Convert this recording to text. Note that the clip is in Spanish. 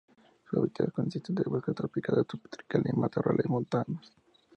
Su hábitat consiste de bosque tropical y subtropical y matorrales montanos.